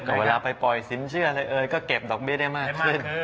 แต่เวลาไปปล่อยสินเชื่ออะไรเอ่ยก็เก็บดอกเบี้ยได้มากขึ้น